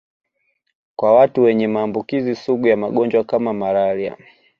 Kwa watu wenye maambukizi sugu ya magonjwa kama malaria